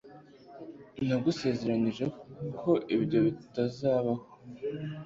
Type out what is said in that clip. ndagusezeranije ko ibyo bitazabaho